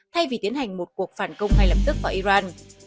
thay vì tiến hành một cuộc phản công ngay lập tức vào iran